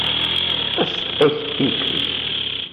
Das ist echt eklig.